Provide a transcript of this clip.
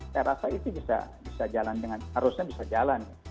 saya rasa itu bisa jalan dengan harusnya bisa jalan